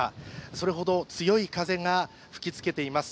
それほど強い風が吹きつけています。